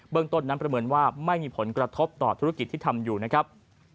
ต้นนั้นประเมินว่าไม่มีผลกระทบต่อธุรกิจที่ทำอยู่นะครับ